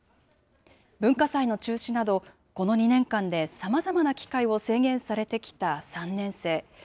文化祭の中止など、この２年間でさまざまな機会を制限されてきた３年生。